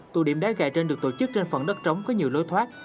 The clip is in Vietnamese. tụ điểm đá gà trên được tổ chức trên phần đất trống có nhiều lối thoát